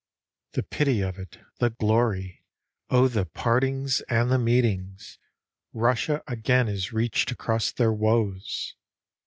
The pity of it, the glory! oh the partings and the meetings ! Russia again is reached across their woes!